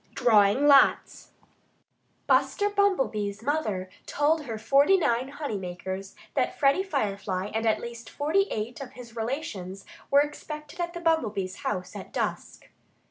X DRAWING LOTS Buster Bumblebee's mother told her forty nine honey makers that Freddie Firefly and at least forty eight of his relations were expected at the Bumblebees' house at dusk.